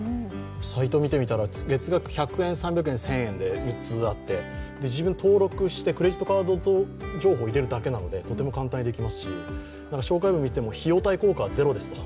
サイトを見てみたら月額１００円、３００円１０００円と３つあって自分、登録してクレジットカード情報を入れるだけですから簡単ですし紹介文見てても、費用対効果はゼロですと。